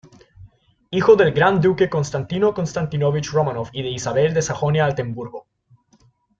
Hijo del gran duque Constantino Konstantínovich Románov y de Isabel de Sajonia-Altemburgo.